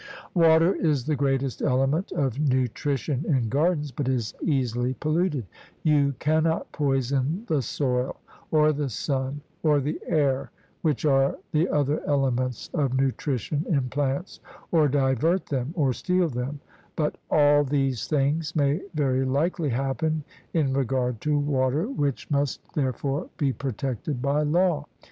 Water is the greatest element of nutrition in gardens, but is easily polluted. You cannot poison the soil, or the sun, or the air, which are the other elements of nutrition in plants, or divert them, or steal them; but all these things may very likely happen in regard to water, which must therefore be protected by law.